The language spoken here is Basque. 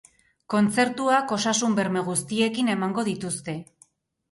Kontzertuak osasun berme guztiekin emango dituzte.